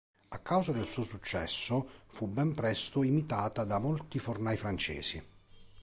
A causa del suo successo fu ben presto imitata da molti fornai francesi.